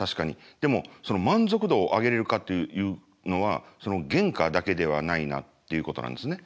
でも満足度を上げれるかっていうのはその原価だけではないなっていうことなんですね。